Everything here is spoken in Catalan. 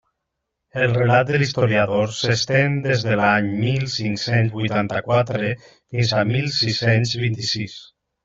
El relat de l'historiador s'estén des de l'any mil cinc-cents vuitanta-quatre fins a mil sis-cents vint-i-sis.